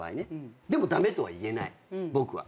でも駄目とは言えない僕は。